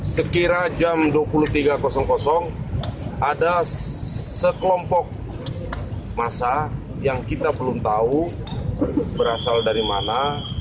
sekira jam dua puluh tiga ada sekelompok masa yang kita belum tahu berasal dari mana